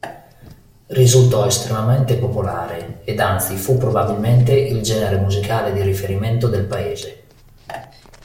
Risultò estremamente popolare ed anzi fu probabilmente il genere musicale di riferimento del paese.